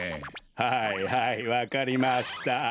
はいはいわかりました。